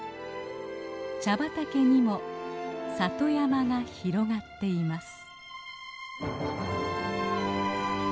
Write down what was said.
茶畑にも里山が広がっています。